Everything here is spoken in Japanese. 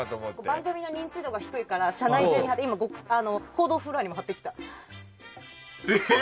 番組の認知度が低いから社内中に貼ってて今、報道フロアにも貼ってきた。